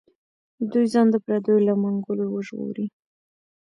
دوی ځان د پردیو له منګولو وژغوري.